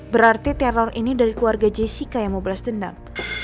berarti teror ini dari keluarga jessica yang mau balas dendam